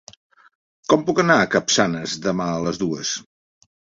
Com puc anar a Capçanes demà a les dues?